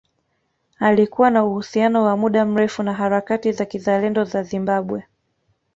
Alikuwa na uhusiano wa muda mrefu na harakati za kizalendo za Zimbabwe